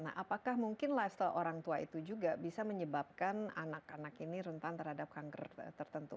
nah apakah mungkin lifestyle orang tua itu juga bisa menyebabkan anak anak ini rentan terhadap kanker tertentu